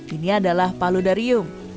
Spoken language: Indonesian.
ini adalah paludarium